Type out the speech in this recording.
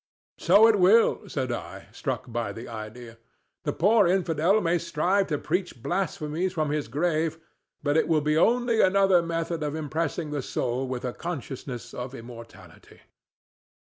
"So it will," said I, struck by the idea. "The poor infidel may strive to preach blasphemies from his grave, but it will be only another method of impressing the soul with a consciousness of immortality."